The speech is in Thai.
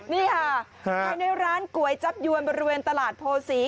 นี่ค่ะอยู่ในร้านก๋วยจับยวนบริเวณตลาดโพศี